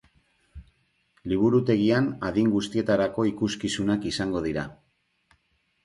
Liburutegian adin guztietarako ikuskizunak izango dira.